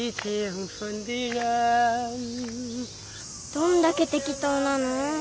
どんだけてき当なの？